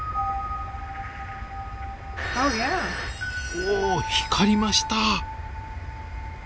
おっ光りました！